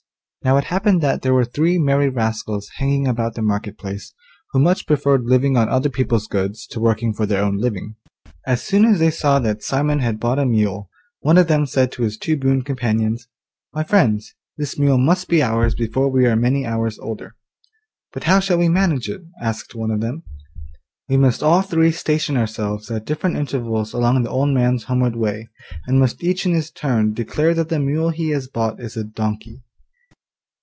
Now it happened that there were three merry rascals hanging about the market place, who much preferred living on other people's goods to working for their own living. As soon as they saw that Simon had bought a mule, one of them said to his two boon companions, 'My friends, this mule must be ours before we are many hours older.' 'But how shall we manage it,' asked one of them. 'We must all three station ourselves at different intervals along the old man's homeward way, and must each in his turn declare that the mule he has bought is a donkey.